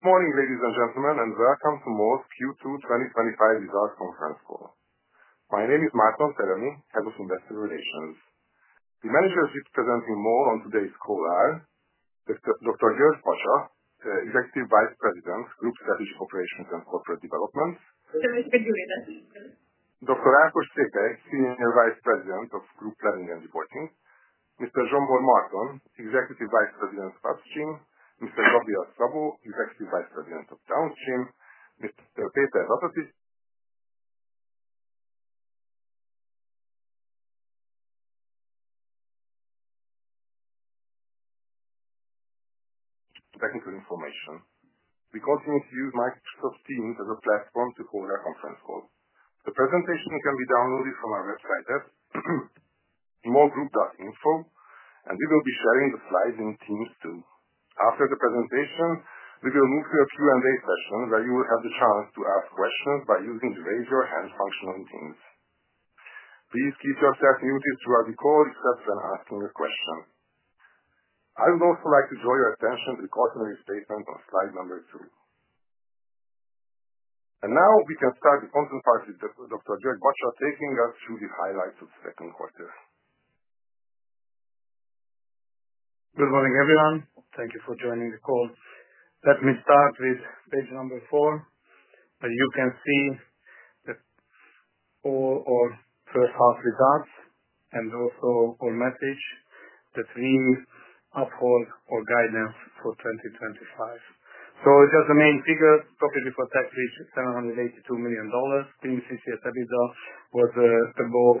Good morning, ladies and gentlemen, and welcome to MOL's Q2 2025 Results Conference Call. My name is Marton Teremi, Head of Investor Relations. The manager who is presenting MOL on today's call is Dr. György Bacsa, Executive Vice President, Group Strategic Operations and Corporate Development. Mr. György Bacsa. Dr. Ákos Székely, Senior Vice President of Group Planning and Reporting. Mr. Zsombor Marton, Executive Vice President, Upstream. Mr. Gabriel Szabó, Executive Vice President, Downstream. Mr. Péter Ratatics. Technical information: We continue to use Microsoft Teams as a platform to hold our conference calls. The presentation can be downloaded from our website, molgroup.info, and we will be sharing the slides in Teams too. After the presentation, we will move to a Q&A session where you will have the chance to ask questions by using the Raise Your Hand function on Teams. Please keep yourself muted throughout the call except when asking a question. I would also like to draw your attention to the quarterly statement on slide number two. Now we can start the conference call with Dr. György Bacsa taking us through the highlights of the second quarter. Good morning, everyone. Thank you for joining the call. Let me start with page number four. You can see that all our first half results and also our message: the theme: Uphold our Guidance for 2025. So it has a main figure: profit before tax rate is $782 million. Clean CCS EBITDA was above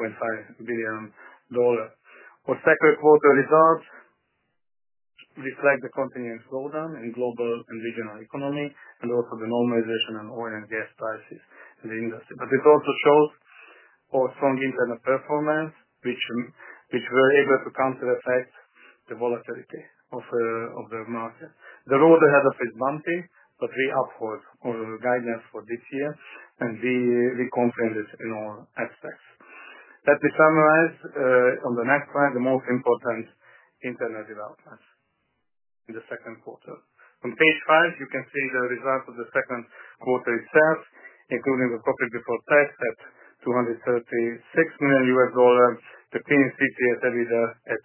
$1.5 billion. Our second quarter results reflect the continuing slowdown in global and regional economy, and also the normalization in oil and gas prices in the industry. It also shows our strong internal performance, which we were able to counterattack the volatility of the market. The road ahead of us is bumpy, but we uphold our guidance for this year, and we confirm this in our abstracts. Let me summarize on the next slide the most important internal developments in the second quarter. On page five, you can see the results of the second quarter itself, including the profit before tax at $236 million, the clean CCS EBITDA at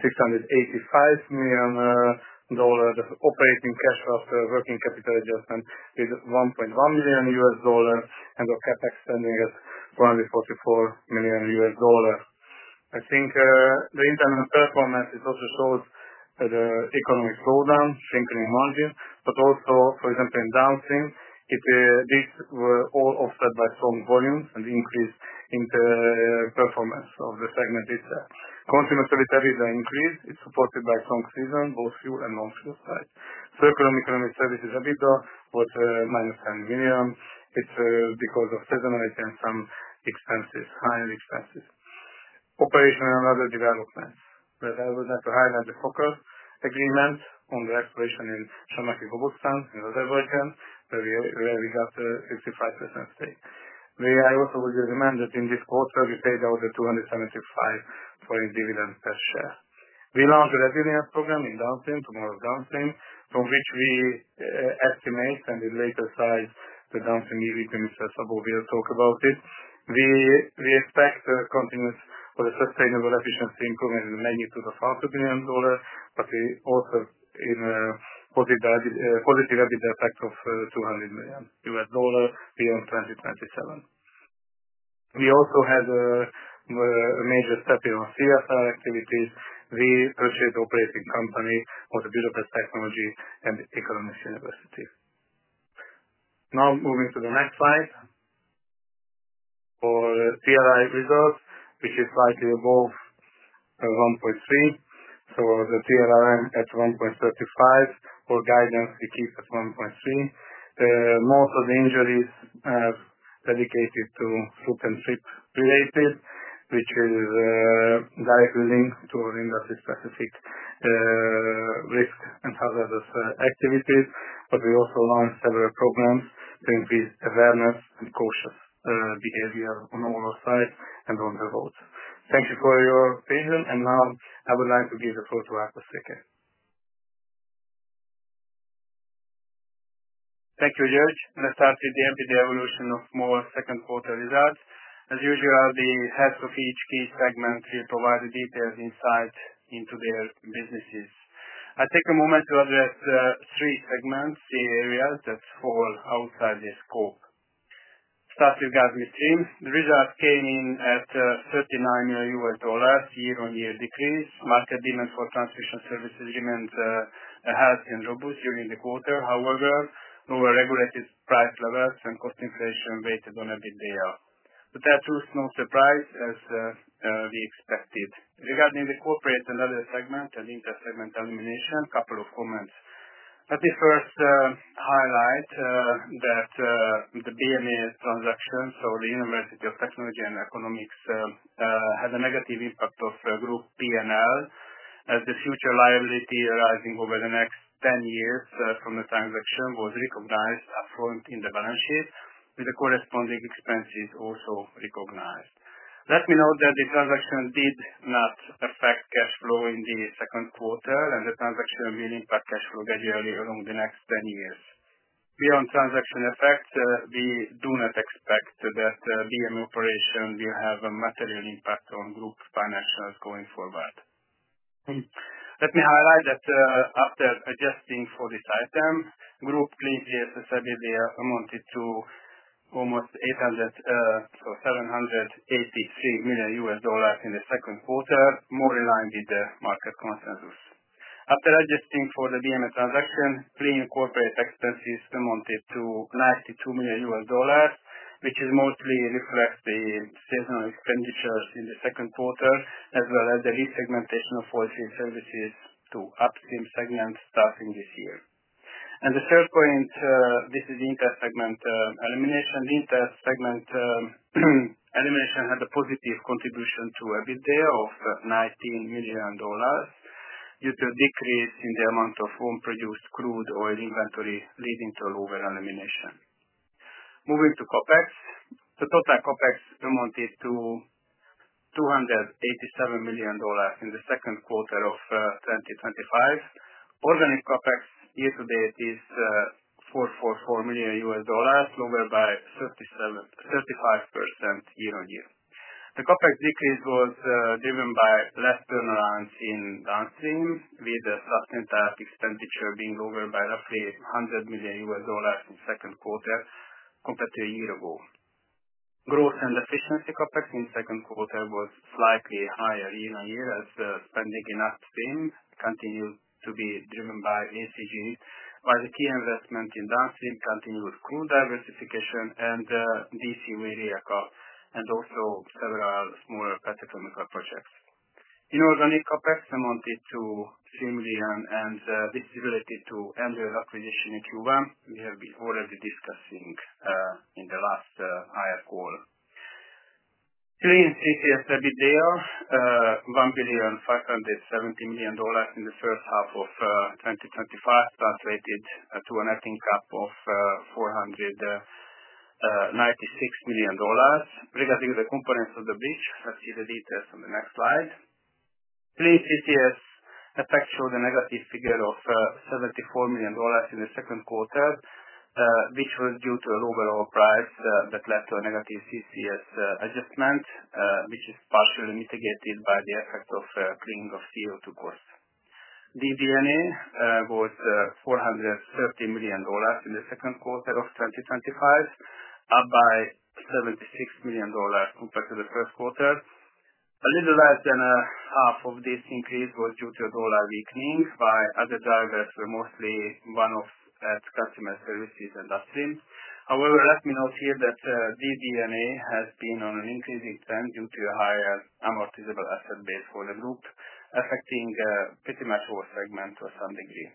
$685 million, the operating cash flow after working capital adjustment is $1.1 billion, and our CapEx spending is $444 million. I think the internal performance also shows the economic slowdown, shrinking in one year, but also, for example, in downstream, these were all offset by strong volumes and the increase in the performance of the segment itself. Consumer services has increased. It's supported by strong seasonal, both fuel and non-fuel sales. Circular economy services EBITDA was -$10 million. It's because of seasonality and some higher expenses. Operational and other developments. I would like to highlight the focus agreement on the exploration in Sarmatic Robustan in Azerbaijan, where we got a 55% stake. I also would recommend that in this quarter, we paid out $2.75 for a dividend per share. We launched a resilience program in downstream, Tomorrow Downstream, from which we estimate and in later slides the downstream EBITDA, Mr. Szabó will talk about it. We expect a continuous or a sustainable efficiency improvement in the magnitude of $100 million, but we also in a positive EBITDA effect of $200 million U.S. dollar beyond 2027. We also had a major step in our CSR activity. We purchased the operating company of Budapest University of Technology and Economics. Now moving to the next slide. Our TRI results, which is slightly above 1.3, so the TRI at 1.35. Our guidance, we keep at 1.3. Most of the injuries are dedicated to food and sleep related, which is a dive into our industry-specific risk and hazardous activities. We also launched several programs to increase awareness and cautious behavior on all our sites and on the roads. Thank you for your attention. Now I would like to give the floor to Ákos Székely. Thank you, György. Let's start with the NPD evolution of MOL's second quarter results. As usual, the heads of each key segment will provide a detailed insight into their businesses. I'll take a moment to address three segments, see areas that fall outside this scope. Starting with gas midstream, the results came in at $39 million, year-on-year decrease. Market demand for transportation services remains healthy and robust during the quarter. However, lower regulated price levels and cost inflation weighed on EBITDA. That should not surprise us as we expected. Regarding the corporate and other segment and intersegmental management, a couple of comments. Let me first highlight that the BME transactions had a negative impact on the group P&L. As the future liability arising over the next 10 years from the transaction was recognized and formed in the balance sheet, with the corresponding expenses also recognized. Let me note that the transaction did not affect cash flow in the second quarter, and the transaction will impact cash flow gradually along the next 10 years. Beyond transaction effects, we do not expect that the BME operation will have a material impact on the group's financials going forward. Let me highlight that after adjusting for this item, group clean CCS EBITDA amounted to almost $783 million in the second quarter, more in line with the market consensus. After adjusting for the BME transaction, clean corporate expenses amounted to $92 million, which mostly reflects the seasonal expenditures in the second quarter, as well as the lead segmentation of oilfield services to upstream segment starting this year. The third point, this is the intersegment elimination. The intersegment elimination had a positive contribution to EBITDA of $19 million due to a decrease in the amount of home-produced crude oil inventory, leading to a lower elimination. Moving to CapEx, the total CapEx amounted to $287 million in the second quarter of 2025. Organic CapEx year to date is $444 million, lower by 35% year-on-year. The CapEx decrease was driven by less turnarounds in downstream, with the substantial expenditure being lowered by roughly $100 million in the second quarter compared to a year ago. Growth and efficiency CapEx in the second quarter was slightly higher year-on-year as the spending in upstream continued to be driven by ECG, while the key investment in downstream continued with crude diversification and DCU Rijeka and also several smaller petrochemical projects. Inorganic CapEx amounted to $3 million, and this is related to ENI acquisition in Q1. We have been already discussing in the last IR call. Clean CCS EBITDA, $1,570 million in the first half of 2025, translated to an added cap of $496 million. Regarding the components of the bridge, let's see the details on the next slide. Clean CCS effects showed a negative figure of $74 million in the second quarter, which was due to a lower oil price that led to a negative CCS adjustment, which is partially mitigated by the effect of cleaning of CO2 cores. DD&A was $430 million in the second quarter of 2025, up by $76 million compared to the first quarter. A little less than half of this increase was due to a dollar weakening, while other drivers were mostly one-off at Consumer Services and upstream. However, let me note here that DD&A has been on an increasing trend due to a higher amortizable asset base for the group, affecting pretty much all segments to some degree.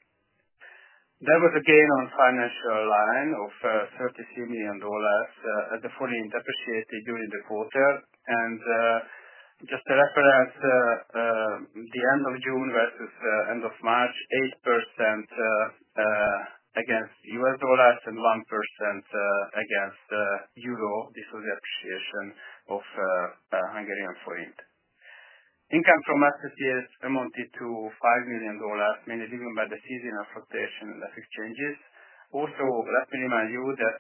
There was a gain on financial line of $33 million at the fully depreciated during the quarter. Just a reference, the end of June versus the end of March, 8% against U.S. dollars and 1% against the euro. This was the appreciation of Hungarian forint. Income from acquisitions amounted to $5 million, mainly driven by the seasonal fluctuation in the exchanges. Also, let me remind you that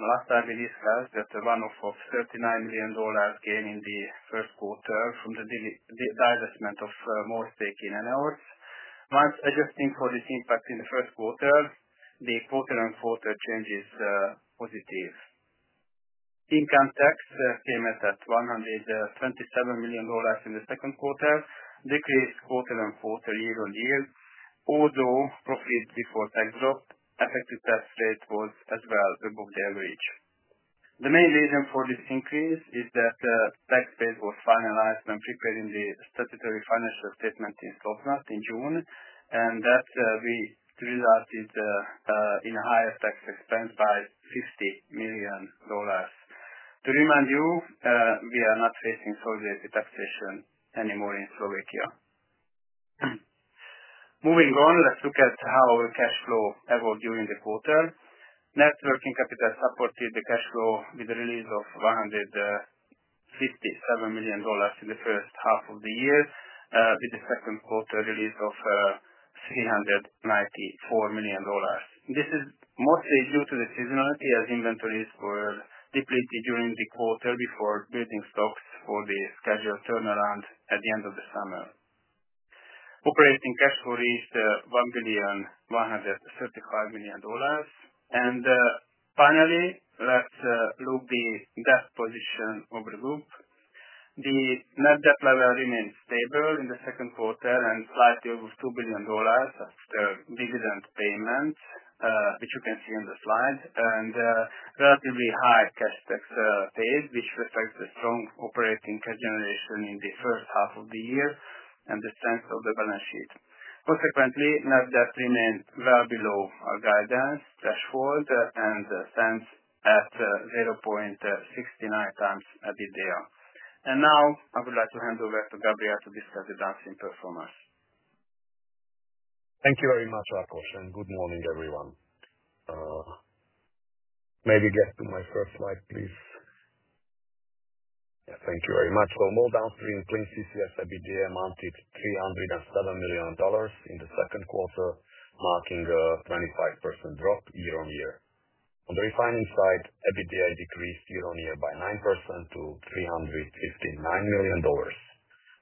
last time we discussed that one-off of $39 million gain in the first quarter from the divestment of MOL stake in NRLs. Once adjusting for this impact in the first quarter, the quarter-on-quarter change is positive. Income tax came at $127 million in the second quarter, decreased quarter-on-quarter year-on-year. Although profits before tax dropped, effective tax rate was as well above the average. The main reason for this increase is that the tax rate was finalized when preparing the statutory financial statement in Slovak in June, and that resulted in a higher tax expense by $50 million. To remind you, we are not facing surrogacy taxation anymore in Slovakia. Moving on, let's look at how our cash flow evolved during the quarter. Net working capital supported the cash flow with a release of $157 million in the first half of the year, with the second quarter release of $394 million. This is mostly due to the seasonality as inventories were depleted during the quarter before building stocks for the scheduled turnaround at the end of the summer. Operating cash flow reached $1,135 million. Finally, let's look at the gas position of the group. The net debt level remains stable in the second quarter and slightly over $2 billion after dividend payment, which you can see on the slide, and a relatively high cash tax paid, which reflects the strong operating cash generation in the first half of the year and the strength of the balance sheet. Consequently, net debt remained well below our guidance threshold and stands at 0.69x EBITDA. Now I would like to hand over to Gabriel to discuss the downstream performance. Thank you very much, Ákos, and good morning, everyone. Maybe get to my first slide, please. Yeah, thank you very much. MOL downstream clean CCS EBITDA amounted to $307 million in the second quarter, marking a 25% drop year-on-year. On the refining side, EBITDA decreased year-on-year by 9% to $359 million.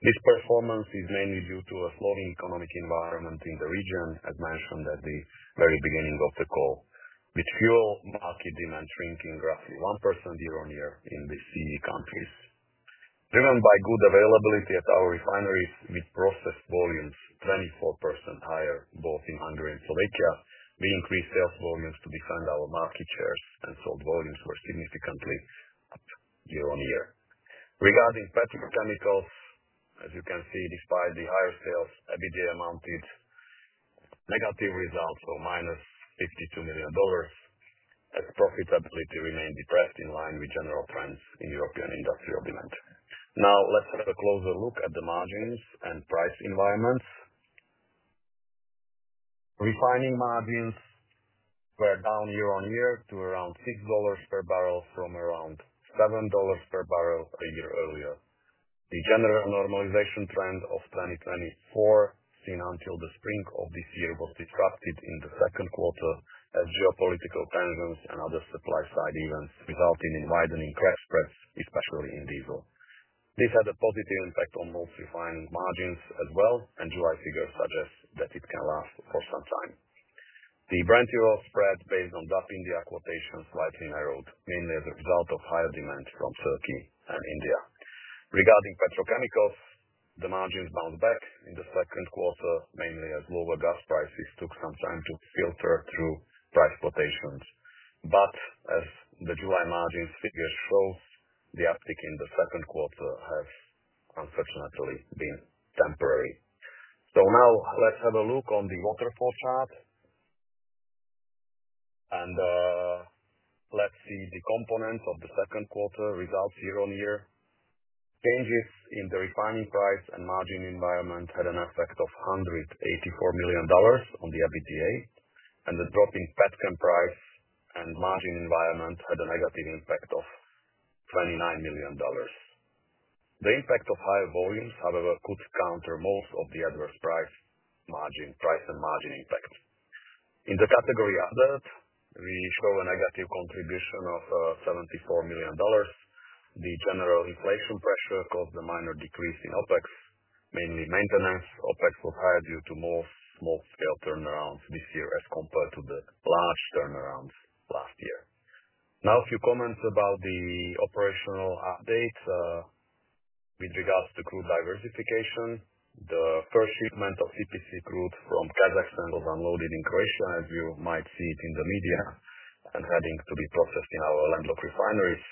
This performance is mainly due to a slowing economic environment in the region, as mentioned at the very beginning of the call, with fuel market demand shrinking roughly 1% year-on-year in the CEE countries. Driven by good availability at our refineries, with process volumes 24% higher, both in Hungary and Slovakia, we increased sales volumes to defend our market share and sold volumes were significantly year-on-year. Regarding petrochemicals, as you can see, despite the higher sales, EBITDA amounted to a negative result for -$52 million, as profitability remained depressed in line with general times in European industrial demand. Now let's have a closer look at the margins and price environments. Refining margins were down year-on-year to around $6 per barrel from around $7 per barrel a year earlier. The general normalization trend of 2024 seen until the spring of this year was disrupted in the second quarter as geopolitical tensions and other supply-side events resulted in widening cash spreads, especially in diesel. This had a positive impact on MOL's refining margins as well, and July figures suggest that it can last for some time. The Brent oil spread based on DAP India quotations slightly narrowed, mainly as a result of higher demand from Turkey and India. Regarding petrochemicals, the margins bounced back in the second quarter, mainly as global gas prices took some time to filter through price quotations. As the July margins figure shows, the uptick in the second quarter has unfortunately been temporary. Now let's have a look on the waterfall side and see the components of the second quarter results year-on-year. Changes in the refining price and margin environment had an effect of $184 million on the EBITDA, and the drop in petchem price and margin environment had a negative impact of $29 million. The impact of higher volumes, however, could counter most of the adverse price and margin impact. In the category others, we show a negative contribution of $74 million. The general inflation pressure caused a minor decrease in OpEx, mainly maintenance. OpEx was higher due to more small-scale turnarounds this year as compared to the large turnarounds last year. Now a few comments about the operational updates. With regards to crude diversification, the first shipment of CPC crude from Kazakhstan was unloaded in Croatia, as you might see it in the media, and heading to be processed in our landlocked refineries.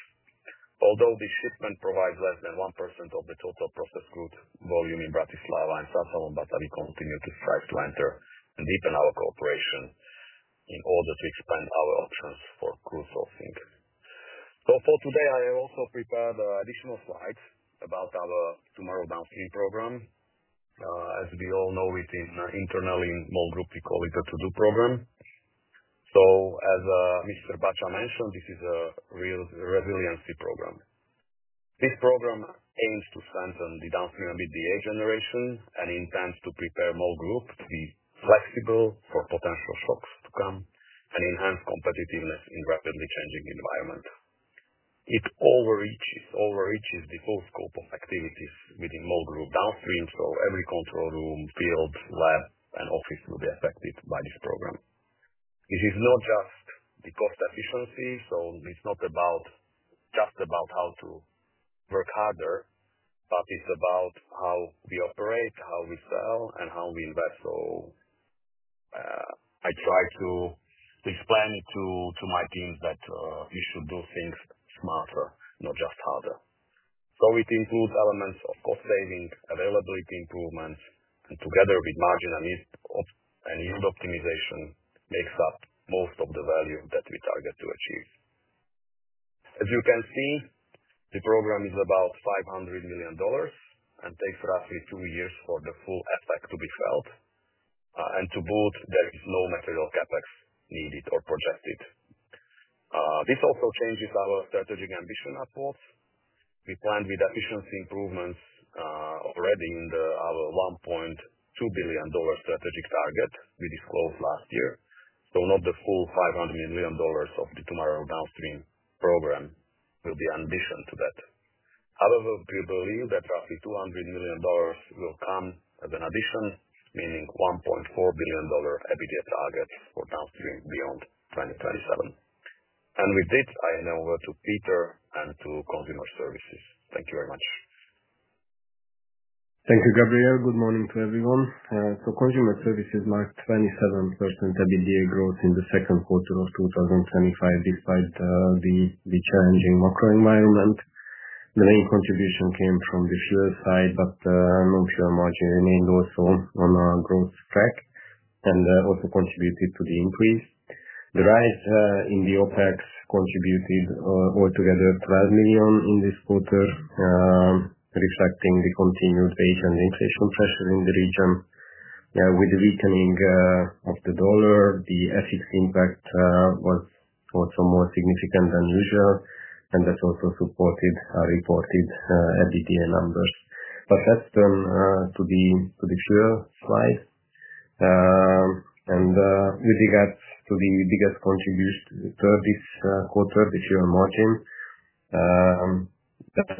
Although this shipment provides less than 1% of the total processed crude volume in Bratislava and Zasavo, we continue to strive to enter and deepen our cooperation in order to expand our options for crude sourcing. For today, I have also prepared additional slides about our Tomorrow Downstream program. As we all know it internally in MOL Group, we call it the To-Do program. As Mr. Bacsa mentioned, this is a real resiliency program. This program aims to strengthen the downstream EBITDA generation and intends to prepare MOL Group to be flexible for potential shocks to come and enhance competitiveness in a rapidly changing environment. It overreaches the whole scope of activities within MOL Group downstream, so every control room, field, lab, and office will be affected by this program. It is not just the cost efficiency, so it's not just about how to work harder, but it's about how we operate, how we sell, and how we invest. I try to explain to my teams that we should do things smarter, not just harder. It includes elements of cost savings, availability improvements, and together with margin and yield optimization makes up most of the value that we target to achieve. As you can see, the program is about $500 million and takes roughly two years for the full effect to be felt. To boot, there is no material CapEx needed or projected. This also changes our strategic ambition upwards. We planned with efficiency improvements already in our $1.2 billion strategic target we disclosed last year. Not the full $500 million of the Tomorrow Downstream program will be an addition to that. However, we believe that roughly $200 million will come as an addition, meaning $1.4 billion EBITDA targets for downstream beyond 2027. With this, I hand over to Peter and to Consumer Services. Thank you very much. Thank you, Gabriel. Good morning to everyone. Consumer Services marked 27% EBITDA growth in the second quarter of 2025 despite the challenging macroeconomic environment. The main contribution came from the fuel side, but non-fuel margin remained also on a growth track and also contributed to the increase. The rise in the OpEx contributed altogether to $12 million in this quarter, respecting the continued wage and welfare contracts in the region. With the weakening of the dollar, the asset's impact was also more significant than usual, and that also supported our reported EBITDA numbers. Let's turn to the fuel slide, using that as the biggest contributor this quarter, the fuel margin. Let's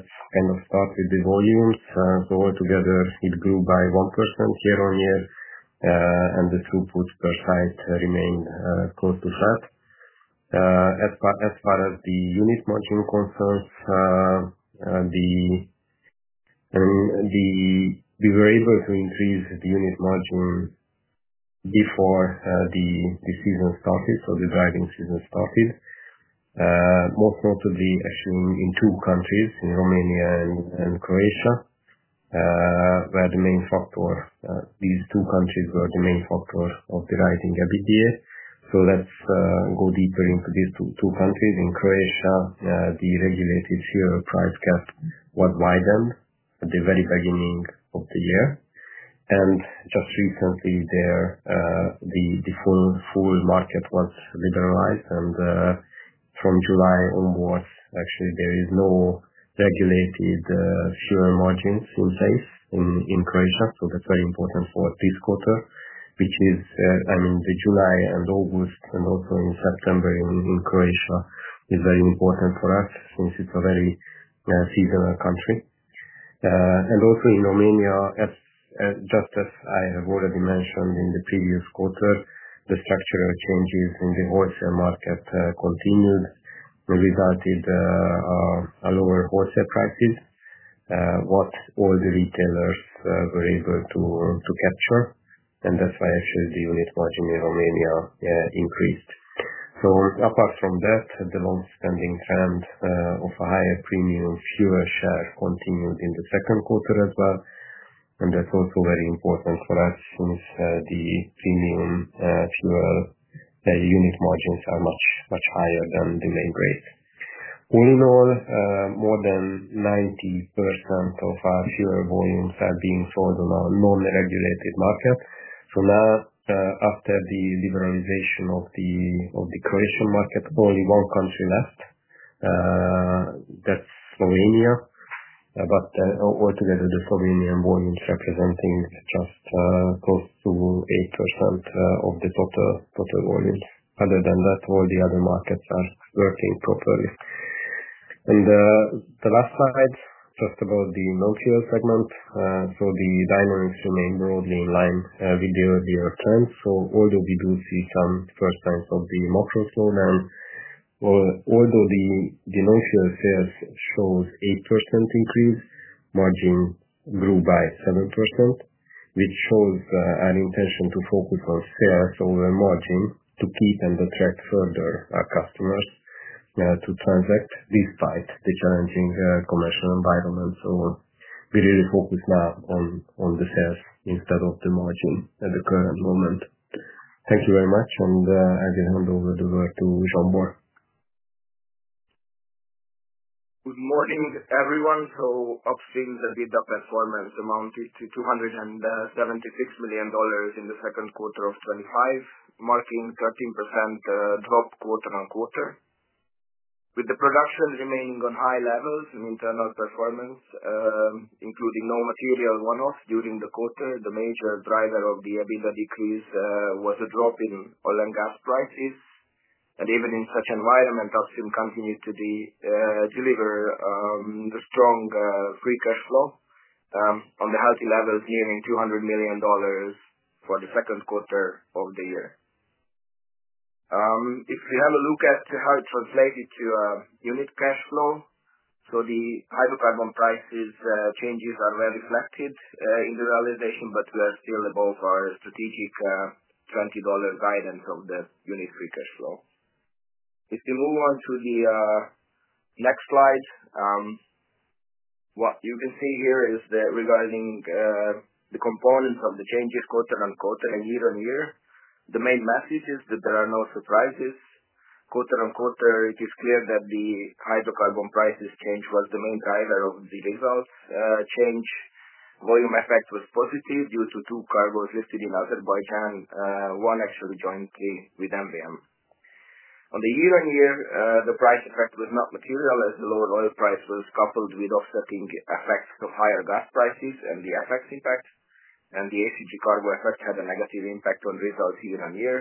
start with the volumes. Altogether it grew by 1% year-on-year, and the throughput per site remains close to flat. As far as the unit margin concerns, we were able to increase the unit margin before the driving season started. Most notably, actually in two countries, in Romania and Croatia, where these two countries were the main factor of deriving EBITDA. Let's go deeper into these two countries. In Croatia, the regulated fuel price gap was widened at the very beginning of the year. Just recently, the full market was liberalized, and from July onwards, there is no regulated fuel margin in place in Croatia. That's very important for us this quarter, which is July and August and also in September in Croatia, since it's a very seasonal country. Also in Romania, just as I have already mentioned in the previous quarter, the structural changes in the wholesale market continued and resulted in lower wholesale prices, which all the retailers were able to capture. That's why I assume the unit margin in Romania increased. Apart from that, the long-spending trend of a higher premium fuel share continued in the second quarter as well. That's also very important for us since the premium fuel unit margins are much higher than the labor rate. All in all, more than 90% of our fuel volumes have been sold on a non-regulated market. Now, after the liberalization of the Croatian market, only one country is left, that's Romania, but altogether, the Romanian volumes represent just close to 8% of the total volume. Other than that, all the other markets are working properly. The last slide, first of all, the non-fuel segment. The downstream domain is broadly in line with the earlier trends. Although we do see some first terms of the macro slowdown, although the non-fuel sales showed an 8% increase, margin grew by 7%, which shows an intention to focus on still a stronger margin to keep and attract further customers to transact despite the challenging commercial environment. We really focus now on the sales instead of the margin at the current moment. Thank you very much. I will hand over the word to Zsombor. Good morning, everyone. Upstream, the EBITDA performance amounted to $276 million in the second quarter of 2025, marking a 13% drop quarter-on-quarter. With the production remaining on high levels and internal performance, including no material one-offs during the quarter, the major driver of the EBITDA decrease was a drop in oil and gas prices. Even in such an environment, upstream continues to deliver a strong free cash flow on the healthy levels, nearing $200 million for the second quarter of the year. If we have a look at how it translated to unit cash flow, the hydrocarbon prices changes are well reflected in the realization, but we are still above our strategic $20 guidance of the unit free cash flow. If you move on to the next slide, what you can see here is regarding the components of the changes quarter-on-quarter and year-on-year. The main message is that there are no surprises. quarter-on-quarter, it is clear that the hydrocarbon prices change was the main driver of the results. Change volume effect was positive due to two cargoes listed in Azerbaijan, one actually jointly with MVM. On the year-on-year, the price effect was not material as the lower oil price was coupled with offsetting effects to higher gas prices and the FX impact. The ACG cargo effect had a negative impact on results year-on-year.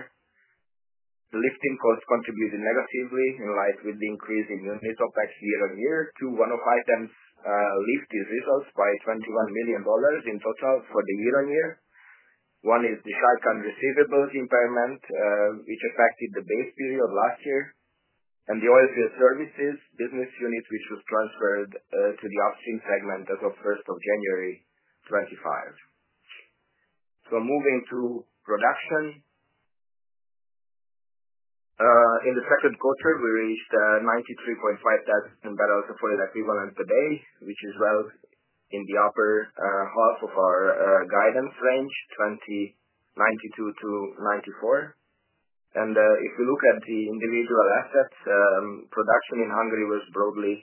Lifting costs contributed negatively in light with the increase in unit OpEx year-on-year. Two one-off items lifted results by $21 million in total for the year-on-year. One is the short-term receivables impairment, which affected the base period last year, and the oilfield services business unit, which was transferred to the upstream segment as of January 1, 2025. Moving to production, in the second quarter, we reached 93500 bbls of oil equivalent per day, which is well in the upper half of our guidance range, 92,000-94,000 bbls. If we look at the individual assets, production in Hungary was broadly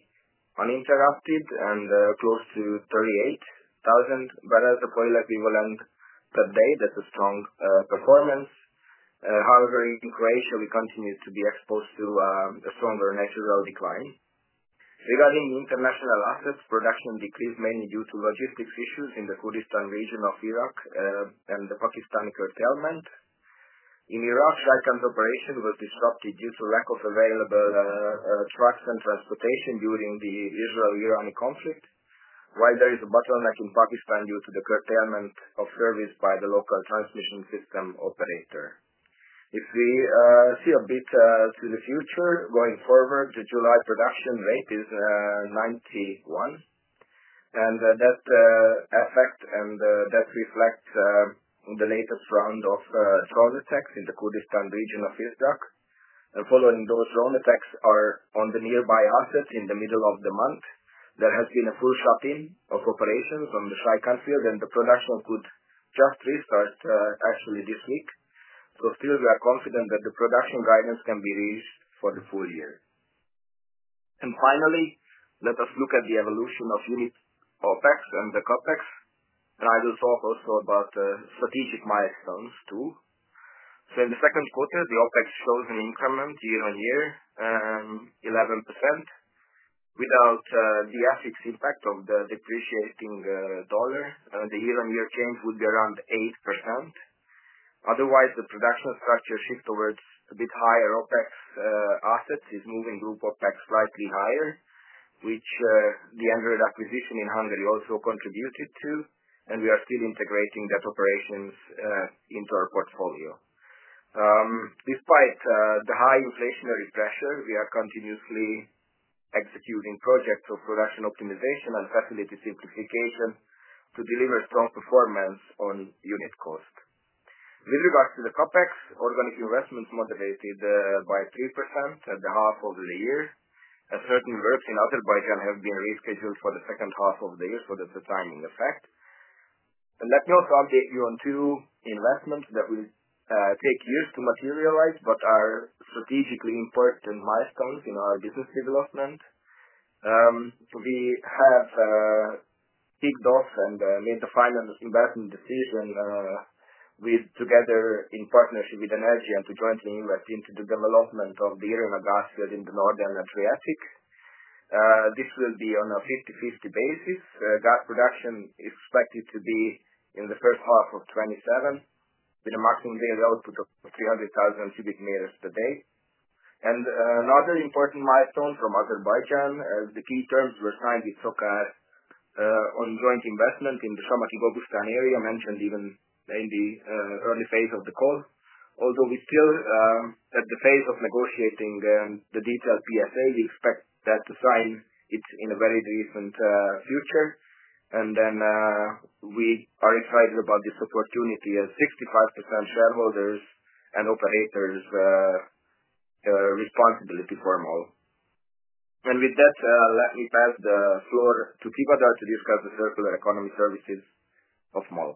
uninterrupted and close to 38,000 bbls of oil equivalent per day. That's a strong performance. Hungary to Croatia, we continue to be exposed to a stronger natural decline. Regarding international assets, production decreased mainly due to logistics issues in the Kurdistan region of Iraq and the Pakistani curtailment. In Iraq, light tank operation was disrupted due to lack of available trucks and transportation during the Israel-Iran conflict, while there is a bottleneck in Pakistan due to the curtailment of service by the local transmission system operator. If we see a bit to the future, going forward, the July production rate is 91,000 bbls. That reflects the latest round of drone attacks in the Kurdistan region of Iraq. Following those drone attacks on the nearby assets in the middle of the month, there has been a full shut-in of operations on the tri-country and the production could just restart after this week. We are confident that the production guidance can be raised for the full year. Let us look at the evolution of unit OpEx and the CapEx. I will talk also about strategic milestones too. In the second quarter, the OpEx shows an increment year-on-year, 11%. Without the asset's impact of the depreciating dollar, the year-on-year change would be around 8%. Otherwise, the production structure shifted towards a bit higher OpEx assets, moving group OpEx slightly higher, which the underacquisition in Hungary also contributed to. We are still integrating that operations into our portfolio. Despite the high inflationary pressure, we are continuously executing projects for production optimization and facility simplification to deliver strong performance on unit cost. With regards to the CapEx, organic investments moderated by 3% at the half of the year. Certain works in Azerbaijan have been rescheduled for the second half of the year for the time in effect. Let me also update you on two investments that take years to materialize, but are strategically important milestones in our business development. We have kicked off on the main refinement of investment this season together in partnership with ENI to jointly invest into the development of the Irina gas field in the northern Adriatic. This will be on a 50/50 basis. Gas production is expected to be in the first half of 2027 with a maximum daily output of 300,000 cu m per day. Another important milestone from Azerbaijan is the key terms we're signing with SOCAR on joint investment in the Sarmatic Robustan area mentioned even in the early phase of the call. Although we're still at the phase of negotiating the detailed PSA, we expect to sign it in a very recent future. We are excited about this opportunity as 65% shareholders and operators' responsibility for MOL. With that, let me pass the floor to Pethő to discuss the circular economy services of MOL.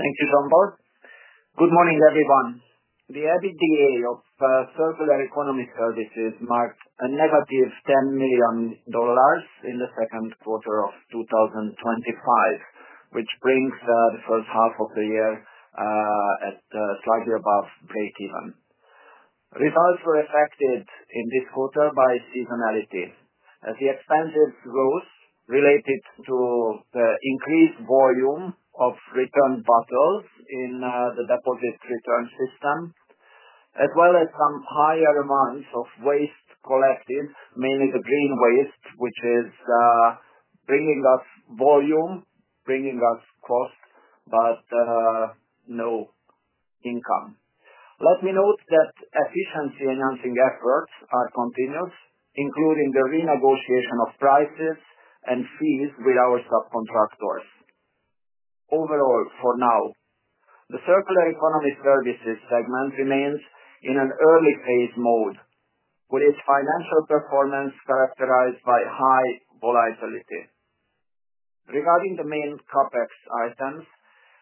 Thank you, Zsombor. Good morning, everyone. The EBITDA of circular economy services marked a negative $10 million in the second quarter of 2025, which brings the first half of the year at slightly above break-even. Results were affected in this quarter by seasonality, as the expenses rose related to the increased volume of return bottles in the deposit return system, as well as some higher amounts of waste collected, mainly the green waste, which is bringing us volume, bringing us cost, but no income. Let me note that efficiency enhancing efforts are continuous, including the renegotiation of prices and fees with our subcontractors. Overall, for now, the circular economy services segment remains in an early-phase mode with its financial performance characterized by high volatility. Regarding the main CapEx items,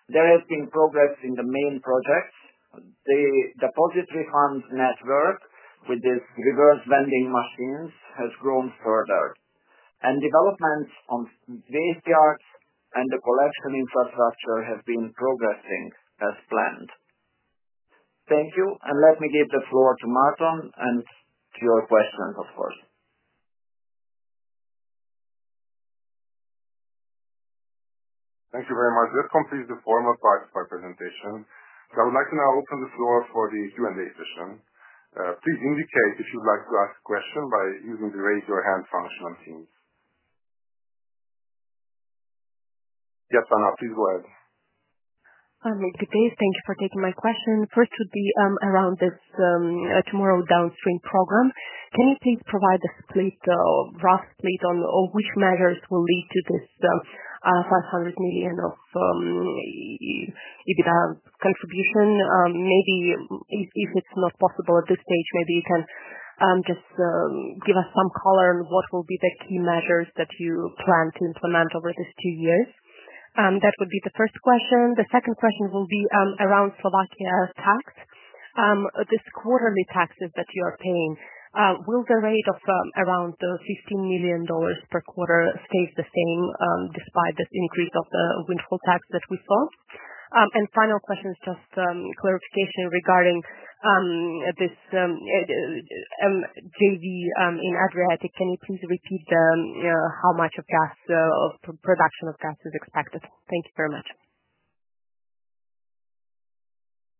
there has been progress in the main projects. The deposit refund network with the reverse vending machines has grown further, and developments on waste yards and the collection infrastructure have been progressing as planned. Thank you. Let me give the floor to Martin and to your questions, of course. Thank you very much. That concludes the formal part of our presentation. I would like to now open the floor for the Q&A session. Please indicate if you'd like to ask a question by using the raise your hand function on Teams. Yes, Anna, please go ahead. Good day. Thank you for taking my question. First would be around this Tomorrow Downstream program. Can you please provide a split, a rough split, on which measures will lead to this $500 million of EBITDA contribution? Maybe if it's not possible at this stage, maybe you can just give us some color on what will be the key measures that you plan to implement over these two years. That would be the first question. The second question will be around Slovakia tax. This quarterly taxes that you are paying, will the rate of around $15 million per quarter stay the same despite this increase of the windfall tax that we saw? The final question is just clarification regarding this JV in Adriatic. Can you please repeat how much of gas production of gas is expected? Thank you very much.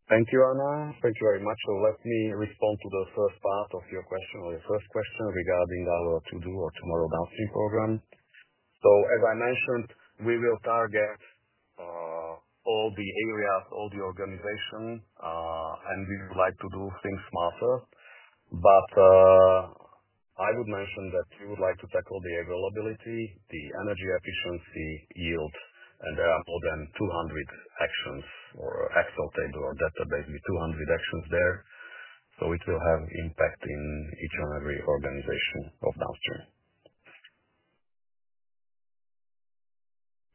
Thank you, Anna. Thank you very much. Let me respond to the first part of your question or your first question regarding our Tomorrow Downstream (To-Do) resilience program. As I mentioned, we will target all the areas, all the organizations, and we would like to do things smarter. I would mention that we would like to tackle the availability, the energy efficiency yield, and there are more than 200 actions or Excel table or database, with 200 actions there. It will have an impact in each and every organization of downstream.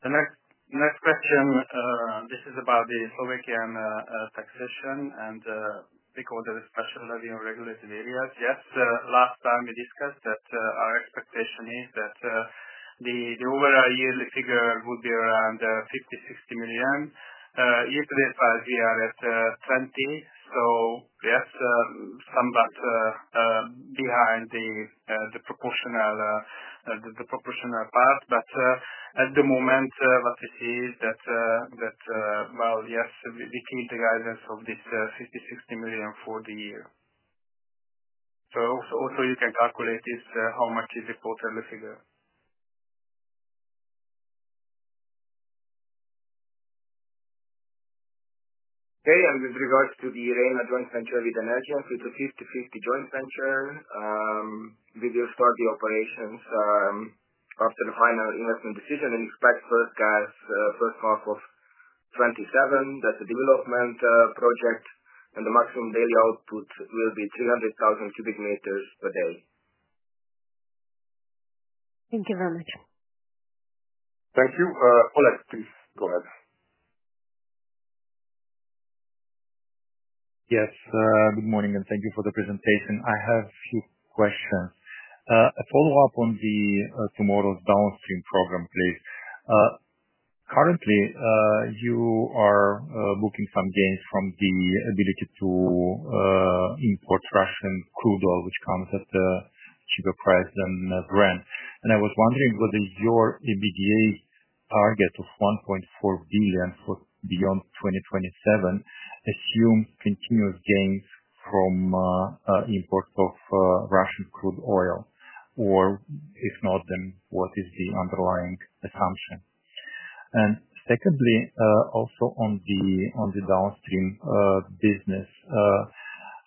The next question, this is about the Slovakian taxation and the quarterly specialty in regulated areas. Yes, the last time we discussed that our expectation is that the overall yearly figure would be around $50 million-$60 million. Yesterday's idea is $20 million. Yes, somewhat behind the proportional part. At the moment, we keep the guidance of this $50 million-$60 million for the year. You can calculate how much is the quarterly figure. With regards to the Irina joint venture with ENI, it also is a 50-50 joint venture. We will start the operations after the final investment decision and expect first gas, first half of 2027. That's a development project. The maximum daily output will be 300,000 cu m per day. Thank you very much. Thank you. Oleg, please go ahead. Yes. Good morning, and thank you for the presentation. I have a few questions. A follow-up on the Tomorrow Downstream program, please. Currently, you are booking some gains from the ability to import Russian crude oil with some of the price and brand. I was wondering whether your EBITDA target of $1.4 billion for beyond 2027 assumes continuous gains from imports of Russian crude oil. If not, then what is the underlying assumption? Secondly, also on the downstream business,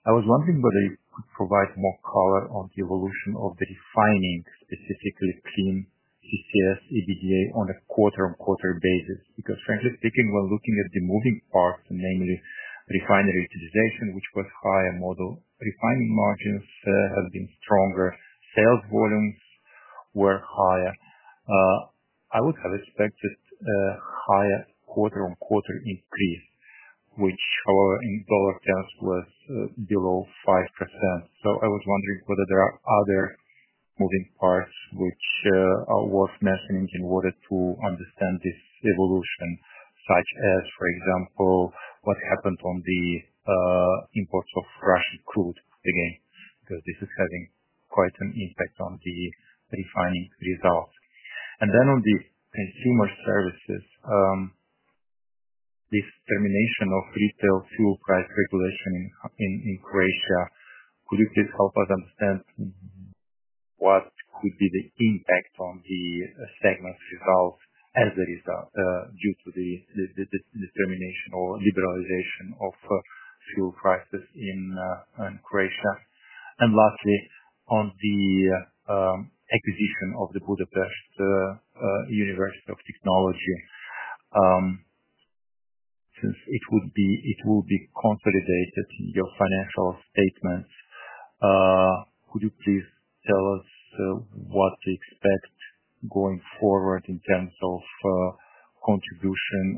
I was wondering whether you could provide more color on the evolution of the refining, specifically stream clean CCS EBITDA on a quarter-on-quarter basis. Frankly speaking, when looking at the moving part, namely refinery utilization, which was higher model, refining margins have been stronger. Sales volumes were higher. I would have expected a higher quarter-on-quarter increase, which, however, in dollar terms was below 5%. I was wondering whether there are other moving parts which are worth mentioning in order to understand this evolution, such as, for example, what happened on the import of Russian crude again, because this is having quite an impact on the refining results. On the consumer services, this termination of retail fuel price regulation in Croatia, would it help us understand what would be the impact on the stagnant results as a result due to the termination or liberalization of fuel prices in Croatia? Lastly, on the acquisition of the Budapest University of Technology, since it will be consolidated in your financial statements, would you please tell us what we expect going forward in terms of contribution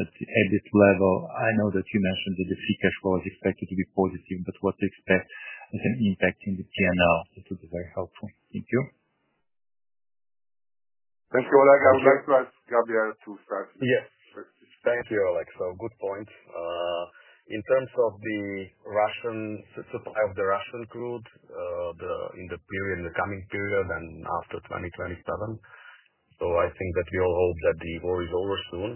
at this level? I know that you mentioned that the free cash flow is expected to be positive, but what to expect as an impact in the key analysis would be very helpful. Thank you. Thank you, Oleg. I would like to ask Gabriel to start. Yes. Thank you, Oleks. Good point. In terms of the supply of the Russian crude in the period, in the coming period and after 2027, I think that we all hope that the war is over soon.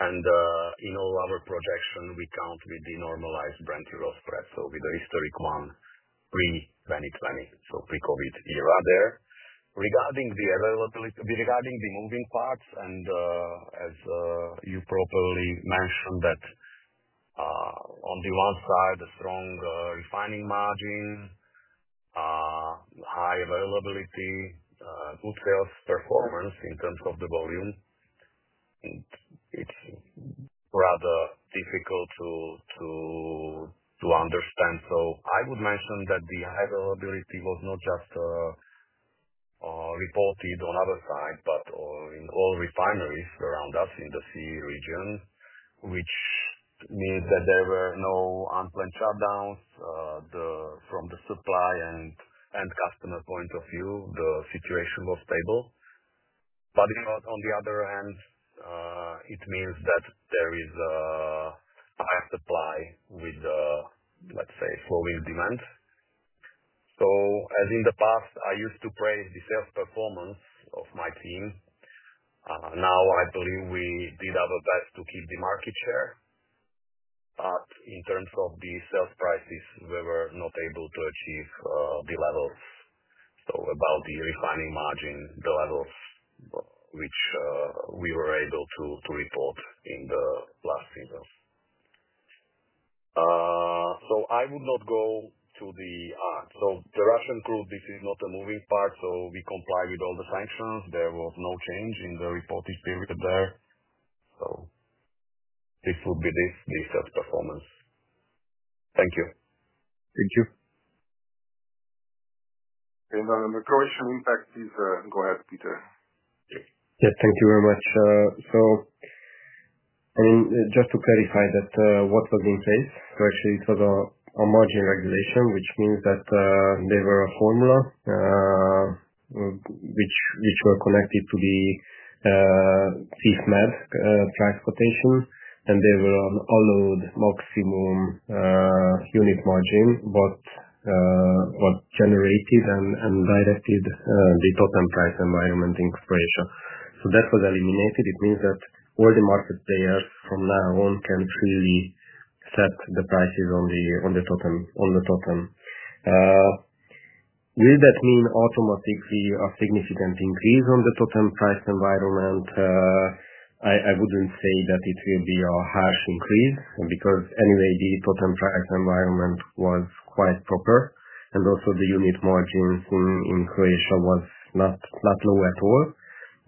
In all our projections, we count with the normalized Brent euro spread, with the historic one pre-2020, pre-COVID era. Regarding the moving parts, as you properly mentioned, on the one side, the strong refining margin, high availability, good sales performance in terms of the volume, it's rather difficult to understand. I would mention that the high availability was not just reported on the other side, but in all refineries around us in the CEE region, which means that there were no unplanned shutdowns. From the supply and end customer point of view, the situation was stable. On the other hand, it means that there is a higher supply with, let's say, flowing demand. As in the past, I used to praise the sales performance of my team. Now I believe we did our best to keep the market share. In terms of the sales prices, we were not able to achieve the levels, about the refining margin, the levels which we were able to report in the last season. I would not go to the art. The Russian crude, this is not a moving part. We comply with all the functions. There was no change in the reported period there. This would be this year's performance. Thank you. Thank you. The Croatian impact is go ahead, Péter. Yeah, thank you very much. Just to clarify that what was in place, especially it was a margin regulation, which means that there were a formula which were connected to the CIFMESC transportation, and they will unload maximum unit margin, but generated and directed the totem price environment in Croatia. That was eliminated. It means that all the market players from now on can truly set the prices on the totem. Will that mean automatically a significant increase on the totem price environment? I wouldn't say that it will be a harsh increase because anyway, the totem price environment was quite proper. Also, the unit margin in Croatia was not low at all.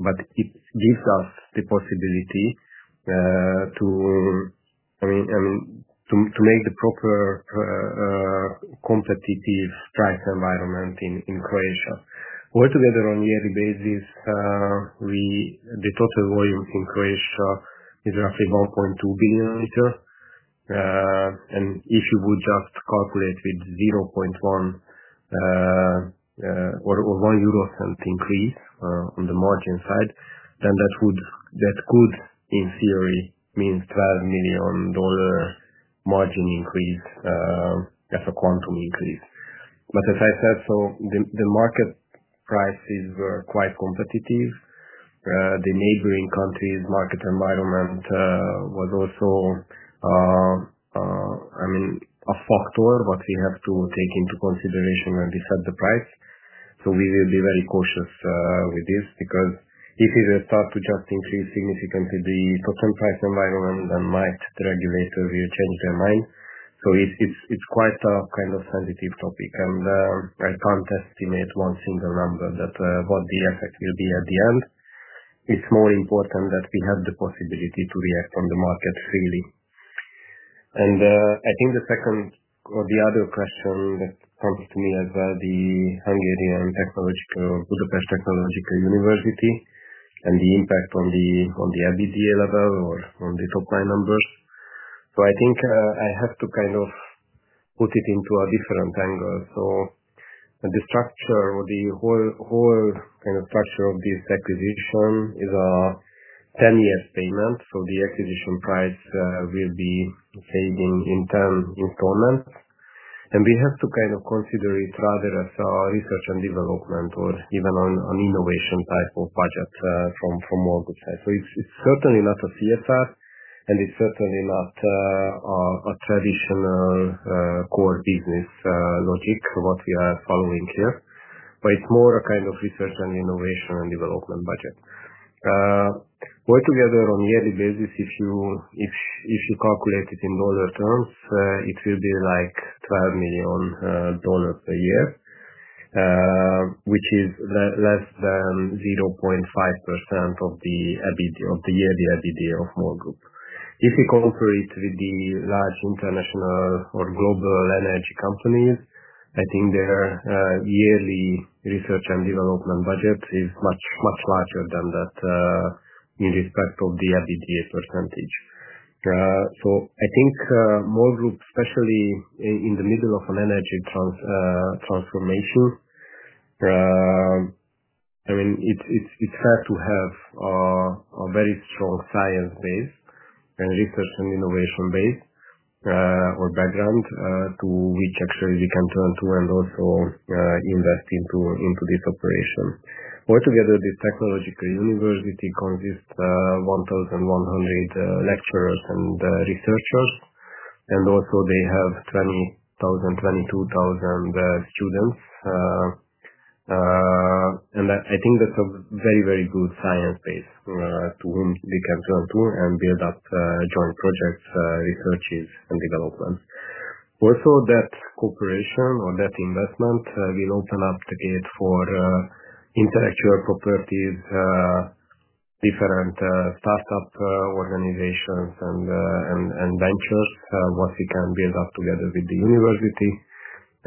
It gives us the possibility to make the proper competitive price environment in Croatia. Altogether, on a yearly basis, the total volume in Croatia is roughly 1.2 billion L. If you would just calculate with $0.01 or $0.10 eurocent increase on the margin side, then that could, in theory, mean $12 million margin increase as a quantum increase. As I said, the market prices were quite competitive. The neighboring countries' market environment was also, I mean, a factor, but we have to take into consideration when we set the price. We will be very cautious with this because if it will start to just increase significantly the totem price environment, then might the regulator will change their mind. It's quite a kind of sensitive topic. I can't estimate one single number that what the effect will be at the end. It's more important that we have the possibility to react on the market freely. I think the second or the other question that comes to me as well, the Budapest University of Technology and Economics and the impact on the EBITDA level or on the top line numbers. I think I have to kind of put it into a different angle. The structure or the whole kind of structure of this acquisition is a 10-year statement. The acquisition price will be saved in 10 increments. We have to kind of consider it rather as a research and development or even an innovation type of project from MOL's side. It's certainly not a CSR, and it's certainly not a traditional core business logic for what we are following here. It's more a kind of research and innovation and development budget. Altogether, on a yearly basis, if you calculate it in dollar terms, it will be like $12 million per year, which is less than 0.5% of the yearly EBITDA of MOL Group. If we compare it with the large international or global energy companies, I think their yearly research and development budget is much, much larger than that in respect of the EBITDA percentage. I think MOL Group, especially in the middle of an energy transformation, has to have a very strong science base, transition and innovation base, or background to which actually we can turn to and also invest into this operation. Altogether, this technological university consists of 1,100 lecturers and researchers. They have 20,000, 22,000 students. I think that's a very, very good science base to whom they can turn to and build up joint projects, researches, and development. Also, that cooperation or that investment will open up the gate for intellectual properties, different startup organizations, and ventures, once we can build up together with the university.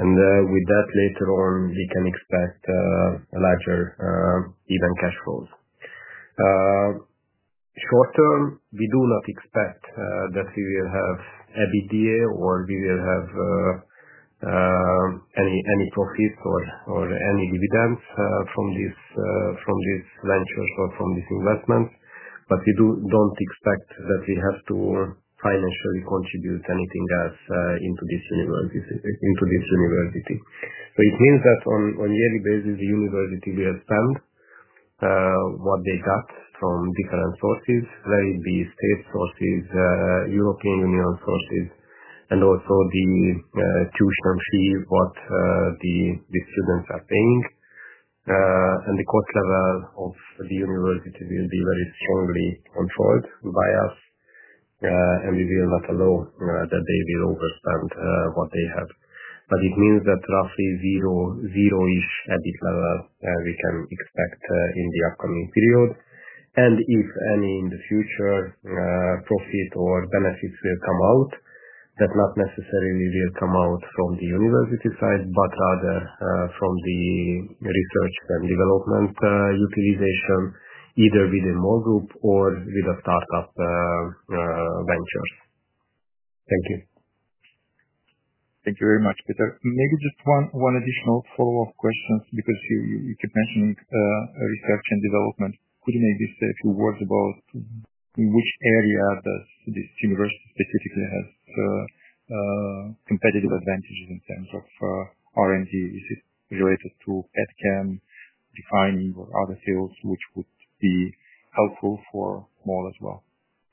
With that, later on, we can expect larger even cash flows. Short-term, we do not expect that we will have EBITDA or we will have any profits or any dividends from these ventures or from this investment. We don't expect that we have to financially contribute anything else into this university. It means that on a yearly basis, the university will spend what they got from different sources, whether it be state sources, European Union sources, and also the tuition and fee, what the students are paying. The cost level of the university will be very strongly controlled by us. We will not allow that they will overspend what they have. It means that roughly zero is at this level we can expect in the upcoming period. If any in the future profit or benefits will come out, that not necessarily will come out from the university side, but rather from the research and development utilization, either within MOL Group or with a startup venture. Thank you. Thank you very much, Péter. Maybe just one additional follow-up question because you keep mentioning research and development. Could you maybe say a few words about in which area does this university specifically have competitive advantages in terms of R&D? Is it related to petrochemicals, refining, or other sales, which would be helpful for MOL as well?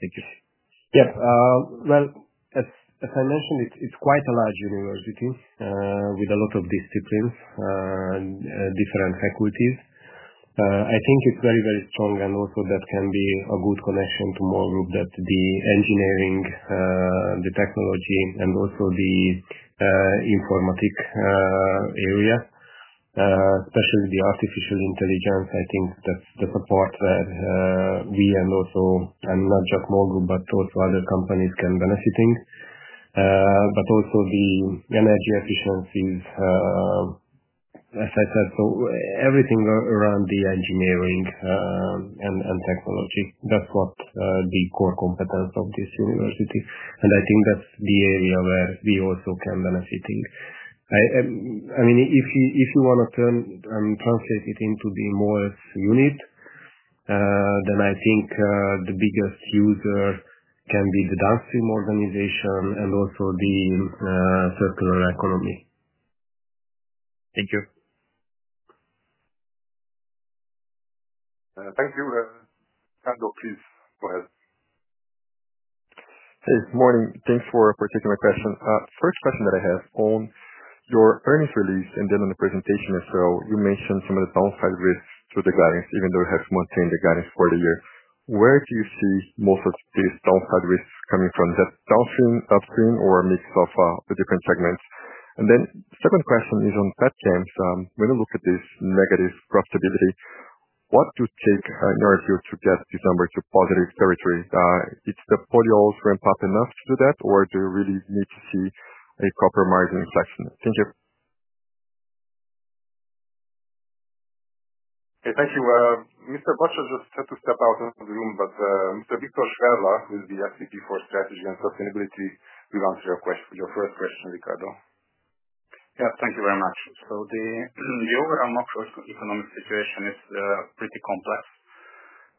Thank you. Yeah. As I mentioned, it's quite a large university with a lot of disciplines and different faculties. I think it's very, very strong. That can be a good connection to MOL Group, that the engineering, the technology, and also the informatic area, especially the artificial intelligence. I think that's the part where we and also not just MOL Group, but also other companies can benefit from. Also the energy efficiency, as I said. Everything around the engineering and technology, that's what the core competence of this university is. I think that's the area where we also can benefit in. I mean, if you want to turn and translate it into the MOL's unit, then I think the biggest user can be the downstream organization and also the circular economy. Thank you. Thank you. Ricardo, please go ahead. Morning. Thanks for a particular question. First question that I have on your earnings release and then on the presentation as well, you mentioned some of the downside risks to the guidance, even though you have maintained the guidance for the year. Where do you see most of these downside risks coming from? Is that downstream, upstream, or a mix of the different segments? The second question is on petrochemicals. When you look at this negative profitability, what do you take in order to get this number to positive territory? Is the portfolio also ramped up enough to do that, or do you really need to see a proper margin inflection? Thank you. Okay. Thank you. Dr. György Bacsa has had to step out of the room, but Mr. Viktor Zerla is the Senior Vice President for Strategy and Sustainability. We'll answer your question, your first question, Ricardo. Thank you very much. The overall macroeconomic situation is pretty complex.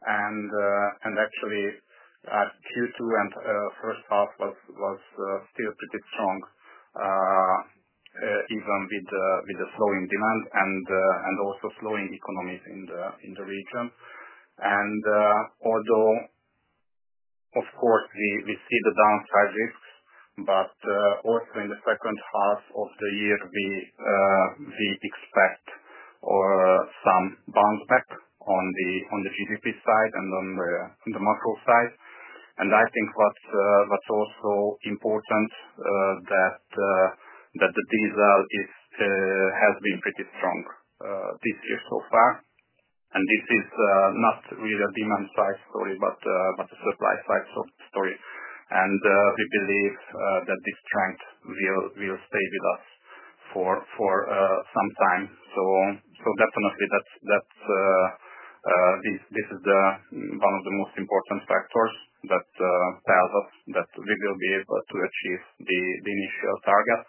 Actually, Q2 and the first half was still pretty strong, even with the flowing demand and also slowing economies in the region. Although, of course, we see the downside risks, in the second half of the year, we expect some bounce back on the GDP side and on the macro side. I think what's also important is that the diesel has been pretty strong this year so far. This is not really a demand side story, but a supply side story. We believe that this trend will stay with us for some time. Definitely, this is one of the most important factors that tells us that we will be able to achieve the initial target.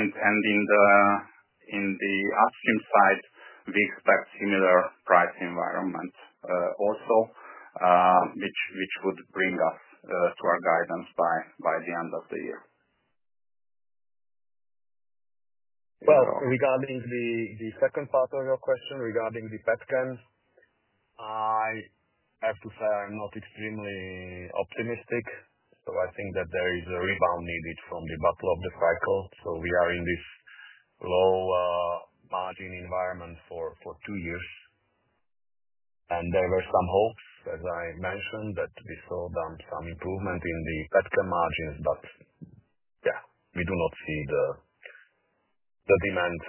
On the upstream side, we expect a similar price environment also, which would bring us to our guidance by the end of the year. Regarding the second part of your question, regarding the petrochemicals, I have to say I'm not extremely optimistic. I think that there is a rebound needed from the bottom of the cycle. We are in this low margin environment for two years. There were some hopes, as I mentioned, that we saw some improvement in the petrochemical margins, but yeah, we do not see the demand.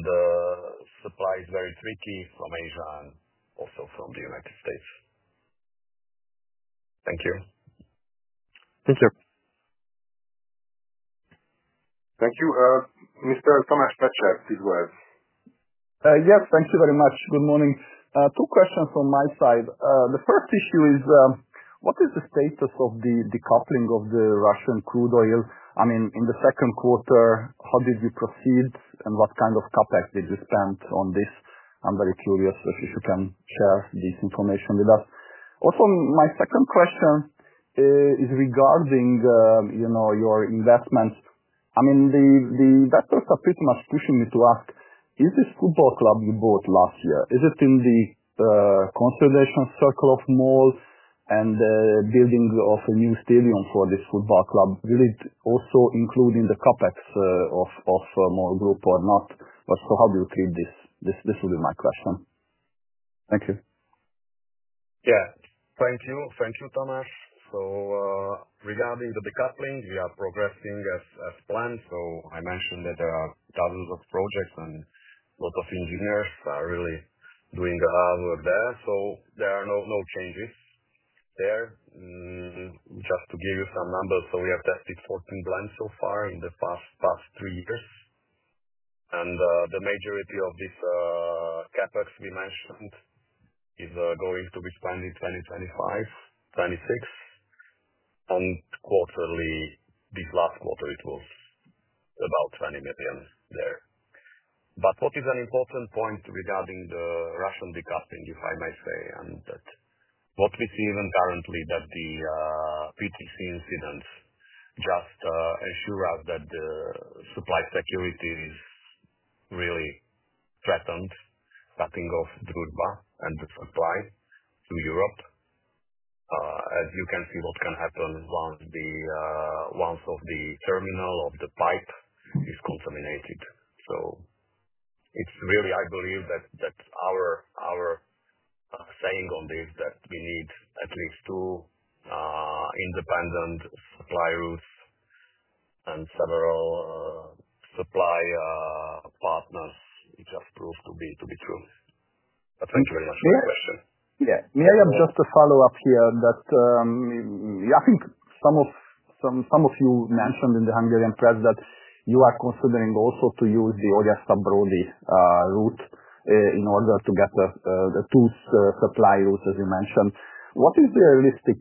The supply is very tricky from Asia and also from the United States. Thank you. Thank you. Thank you. Mr. Tamás Pletser has his word. Yes, thank you very much. Good morning. Two questions from my side. The first issue is what is the status of the decoupling of the Russian crude oil? I mean, in the second quarter, how did we proceed and what kind of CapEx did we spend on this? I'm very curious if you can share this information with us. Also, my second question is regarding your investments. I mean, the investors are pretty much pushing me to ask, is this football club you bought last year, is it in the conservation circle of MOL and the building of a new stadium for this football club? Will it also include in the CapEx of MOL Group or not? How do you treat this? This would be my question. Thank you. Thank you. Thank you, Tamás. Regarding the decoupling, we are progressing as planned. I mentioned that there are thousands of projects and lots of engineers are really doing the hard work there. There are no changes there. Just to give you some numbers, we have tested 14 brands so far in the past three years. The majority of this CapEx we mentioned is going to be 2025, 2026. Quarterly, this last quarter, it was about $20 million there. What is an important point regarding the Russian decoupling, if I may say, is that what we see even currently is that the PTC incidents just assure us that the supply security is really threatened, cutting off the good bar and the supply to Europe. As you can see, what can happen once the terminal of the pipe is contaminated. I believe that our saying on this, that we need at least two independent suppliers and several supply partners, just proves to be true. Thank you very much. May I have just a follow-up here on that. I think some of you mentioned in the Hungarian press that you are considering also to use the Odesa-Brody route in order to get the two supply routes, as you mentioned. What is realistic?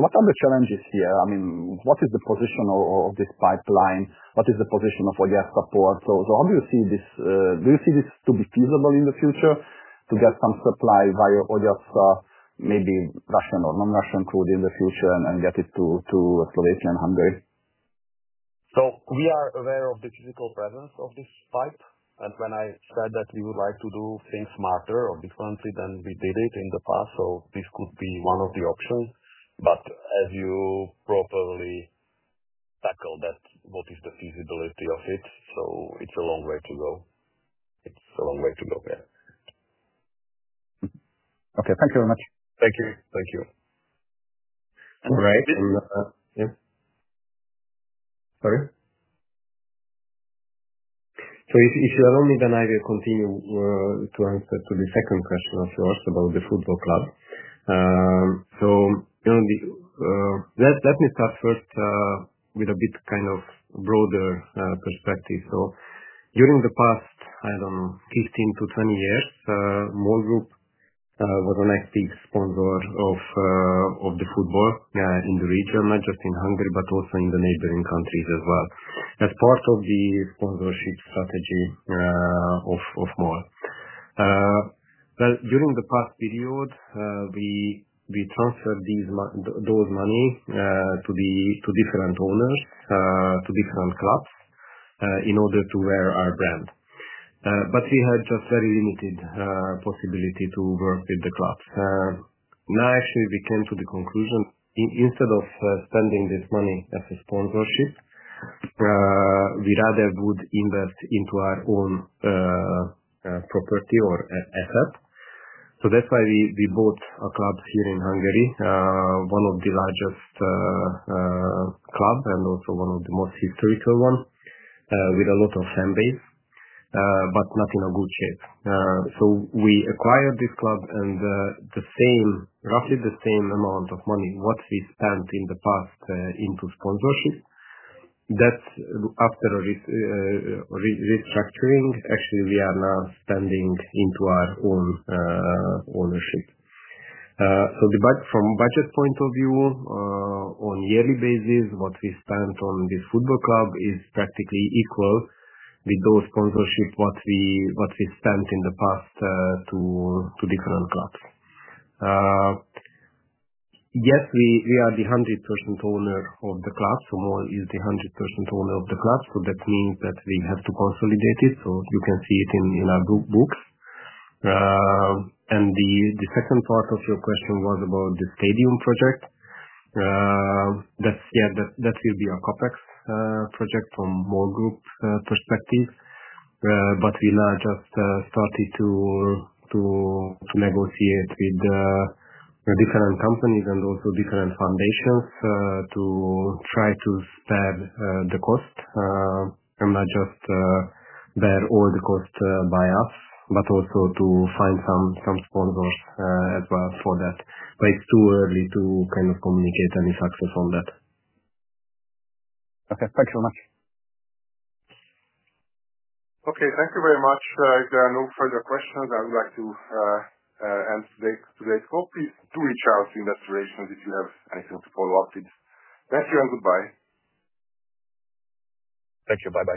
What are the challenges here? I mean, what is the position of this pipeline? What is the position of Odesa port? Obviously, do you see this to be feasible in the future to get some supply via Odesa, maybe Russian or non-Russian crude in the future, and get it to Slovakia and Hungary? We are aware of the physical presence of this pipe. When I said that we would like to do things smarter or differently than we did it in the past, this could be one of the options. As you properly tackle that, what is the feasibility of it? It's a long way to go. It's a long way to go, yeah. Okay, thank you very much. Thank you. Thank you. All right. And yeah. Sorry? If you allow me, then I will continue to answer to the second question that you asked about the football club. Let me start first with a bit kind of broader perspective. During the past, I don't know, 15-20 years, MOL Group was an active sponsor of the football in the region, not just in Hungary, but also in the neighboring countries as well as part of the sponsorship strategy of MOL. During the past period, we transferred those money to different owners, to different clubs in order to wear our brand. We had just very limited possibility to work with the clubs. Now, actually, we came to the conclusion, instead of spending this money as a sponsorship, we rather would invest into our own property or asset. That's why we bought a club here in Hungary, one of the largest clubs and also one of the most historical ones with a lot of fan base, but not in a good shape. We acquired this club and the same, roughly the same amount of money what we spent in the past into sponsorship. That's after a restructuring. Actually, we are now spending into our own ownership. From a budget point of view, on a yearly basis, what we spend on this football club is practically equal with those sponsorships what we spent in the past to different clubs. Yes, we are the 100% owner of the club. MOL is the 100% owner of the club. That means that we have to consolidate it. You can see it in our books. The second part of your question was about the stadium project. That will be a CapEx project from MOL Group perspective. We now just started to negotiate with different companies and also different foundations to try to spare the cost and not just bear all the cost by us, but also to find some sponsors as well for that. It's too early to kind of communicate any success on that. Okay, thanks so much. Okay. Thank you very much. If there are no further questions, I would like to end today's call. Please do reach out in that relation if you have anything to follow up with. Thank you and goodbye. Thank you. Bye.